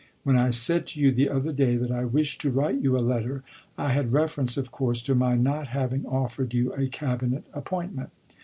When I said to you the other day that I wished to write you a letter, I had reference, of course, to my not having offered you a Cabinet appointment.